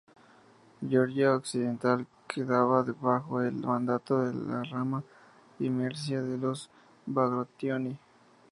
Georgia occidental quedaba bajo el mandato de la rama Imericia de los Bagrationi.